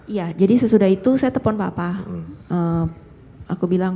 iya jadi sesudah itu saya telepon pak